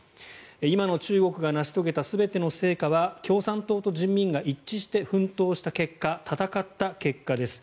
今の中国が成し遂げた全ての成果は共産党と人民が一致して奮闘した結果戦った結果です。